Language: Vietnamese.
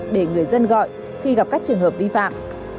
để người dân gọi khi gặp các trường hợp vi phạm